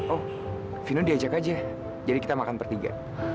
oh vino diajak aja jadi kita makan per tiga